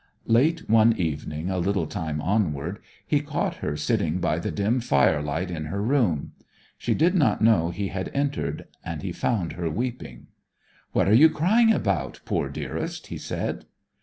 Late one evening, a little time onward, he caught her sitting by the dim firelight in her room. She did not know he had entered; and he found her weeping. 'What are you crying about, poor dearest?' he said.